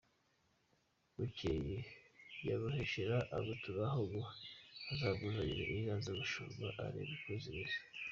Bukeye Nyamuheshera amutumaho ngo azamuzanire inka z’ubushumba arebe uko zimeze.